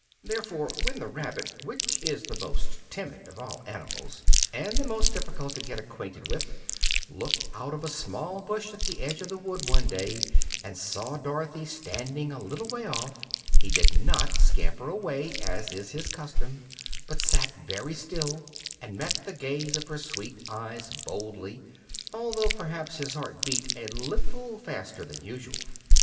Therefore when the rabbit, which is the most timid of all animals and the most difficult to get acquainted with, looked out of a small bush at the edge of the wood one day and saw Dorothy standing a little way off, he did not scamper away, as is his custom, but sat very still and met the gaze of her sweet eyes boldly, although perhaps his heart beat a little faster than usual.